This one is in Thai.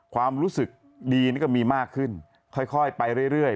ความรู้สึกดีนี่ก็มีมากขึ้นค่อยไปเรื่อย